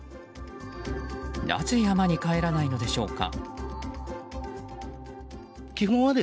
なぜ山に帰らないのでしょうか。